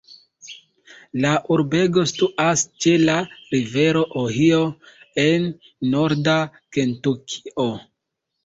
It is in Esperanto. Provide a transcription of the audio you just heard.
La urbego situas ĉe la rivero Ohio en norda Kentukio.